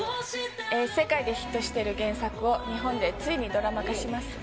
世界でヒットしている原作を、日本でついにドラマ化します。